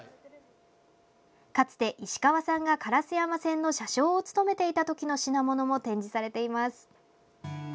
かつて、石川さんが烏山線の車掌を務めていた時の品物も展示されています。